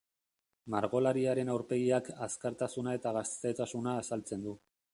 Margolariaren aurpegiak azkartasuna eta gaztetasuna azaltzen du.